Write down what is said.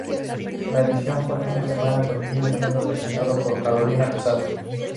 La edición del fin de semana continuó siendo presentada por Carolina Casado.